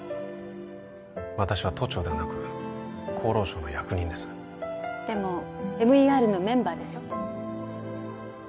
私は都庁ではなく厚労省の役人ですでもＭＥＲのメンバーでしょ